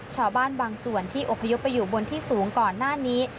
ชาวบ้านบางส่วนที่อบพยพไปอยู่บนที่สูงก่อนหน้านี้